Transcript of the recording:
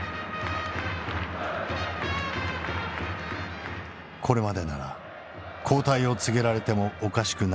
これまでなら交代を告げられてもおかしくない内容。